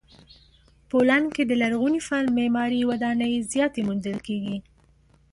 پولنډ کې د لرغوني فن معماري ودانۍ زیاتې موندل کیږي.